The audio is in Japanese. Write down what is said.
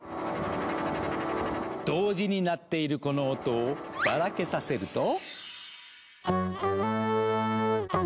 同時に鳴っているこの音をばらけさせると。